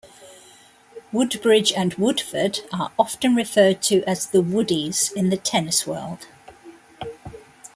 Woodbridge and Woodforde are often referred to as "The Woodies" in the tennis world.